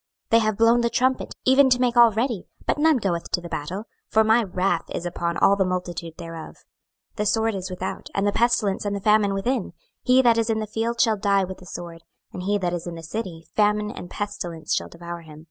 26:007:014 They have blown the trumpet, even to make all ready; but none goeth to the battle: for my wrath is upon all the multitude thereof. 26:007:015 The sword is without, and the pestilence and the famine within: he that is in the field shall die with the sword; and he that is in the city, famine and pestilence shall devour him.